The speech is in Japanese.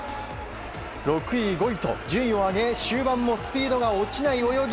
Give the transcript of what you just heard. ６位、５位と順位を上げ終盤もスピードが落ちない泳ぎ。